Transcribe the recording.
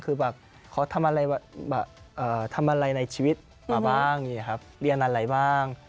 คือเขาทำอะไรในชีวิตมาบ้างเรียนอะไรบ้าง